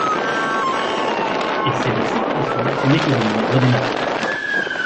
Et c’est de cette façon qu’une économie redémarre.